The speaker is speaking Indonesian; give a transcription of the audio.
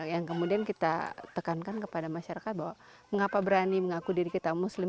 yang kemudian kita tekankan kepada masyarakat bahwa mengapa berani mengaku diri kita muslim